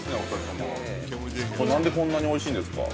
◆なんで、こんなにおいしいんですか。